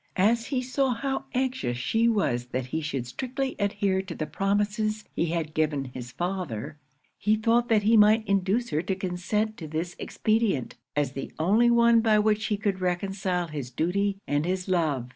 As he saw how anxious she was that he should strictly adhere to the promises he had given his father, he thought that he might induce her to consent to this expedient, as the only one by which he could reconcile his duty and his love.